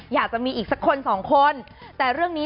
อยากจะมีอีกสักคนสองคนแต่เรื่องนี้